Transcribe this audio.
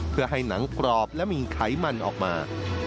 เพื่อให้หนังกรอบและมีไขมันออกมา